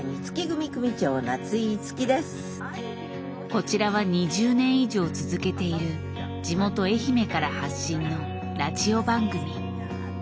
こちらは２０年以上続けている地元愛媛から発信のラジオ番組。